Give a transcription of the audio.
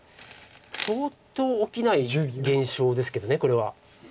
相当起きない現象ですけどこれは。